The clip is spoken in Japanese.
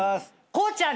こうちゃん！